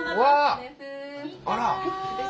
あら！